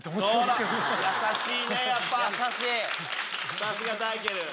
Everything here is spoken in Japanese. さすがダイケル。